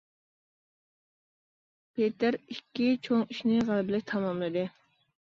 پېتىر ئىككى چوڭ ئىشنى غەلىبىلىك تاماملىدى.